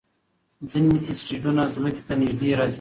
ځینې اسټروېډونه ځمکې ته نږدې راځي.